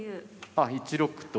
あ１六と。